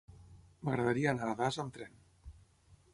M'agradaria anar a Das amb tren.